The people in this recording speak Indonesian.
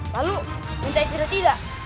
lalu minta ikhlas tidak